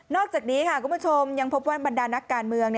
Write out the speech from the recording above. อกจากนี้ค่ะคุณผู้ชมยังพบว่าบรรดานักการเมือง